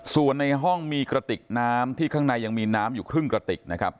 ส่วนในห้องมีกระติกน้ำที่ข้างในยังมีน้ำอยู่ครึ่งกระติกนะครับ